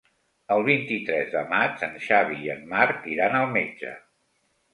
El vint-i-tres de maig en Xavi i en Marc iran al metge.